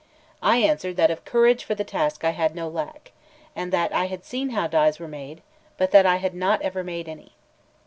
I answered that of courage for the task I had no lack, and that I had seen how dies were made, but that I had not ever made any.